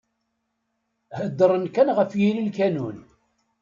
Heddren kan ɣer yiri n lkanun.